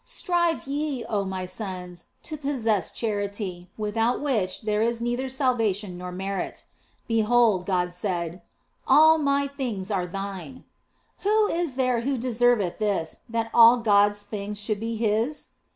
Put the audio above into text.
"Strive ye, oh my sons, to possess charity, without which there is neither salvation nor merit. Behold, God saith, All My things are thine. Who is there who deserveth this, that all God s things should be his